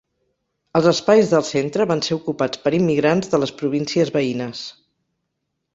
Els espais del centre van ser ocupats per immigrants de les províncies veïnes.